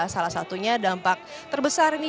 salah satunya dampak terbesar ini